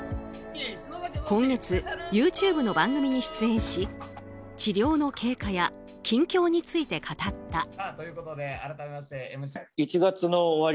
今月ＹｏｕＴｕｂｅの番組に出演し治療の経過や近況について語った。